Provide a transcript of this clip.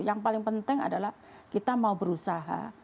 yang paling penting adalah kita mau berusaha